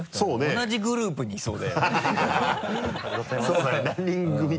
同じグループにいそう。